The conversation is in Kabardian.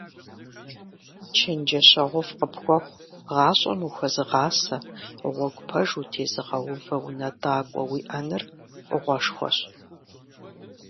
ЧэнджэщэгъуфӀ къыпхуэхъу, гъащӀэм ухуэзыгъасэ, гъуэгу пэж утезыгъэувэ унэтӀакӀуэ уиӀэныр фӀыгъуэшхуэщ.